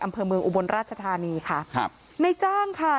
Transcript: อำเภอเมืองอุบลราชธานีค่ะครับในจ้างค่ะ